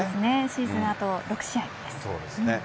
シーズン、あと６試合です。